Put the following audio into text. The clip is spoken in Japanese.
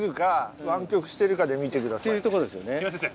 木村先生